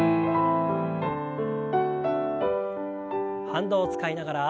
反動を使いながら。